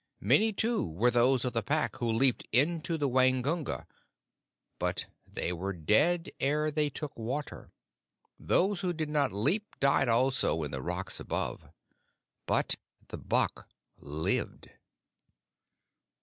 Many too were those of the Pack who leaped into the Waingunga, but they were dead ere they took water. Those who did not leap died also in the rocks above. But the buck lived."